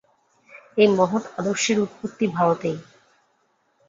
এই মহৎ আদর্শের উৎপত্তি ভারতেই।